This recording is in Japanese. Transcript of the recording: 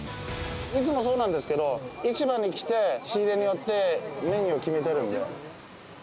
いつもそうなんですけど、市場に来て、仕入れによって、メニュー決めてるんで。